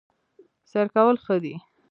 سیر کول ښه دي